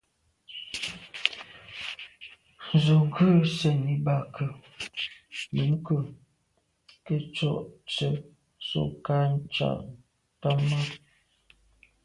Z’o ghù sènni ba ke ? Numk’o ke tsho’ tshe’ so kà ntsha’t’am à.